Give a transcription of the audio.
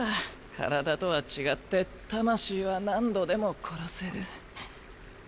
体とは違って魂は何度でも殺せる。